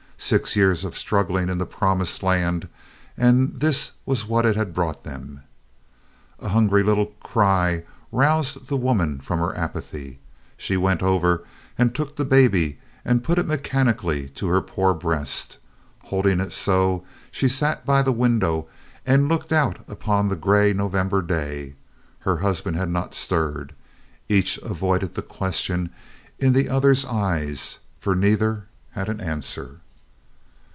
Six years of struggling in the Promised Land, and this was what it had brought them. A hungry little cry roused the woman from her apathy. She went over and took the baby and put it mechanically to her poor breast. Holding it so, she sat by the window and looked out upon the gray November day. Her husband had not stirred. Each avoided the question in the other's eyes, for neither had an answer.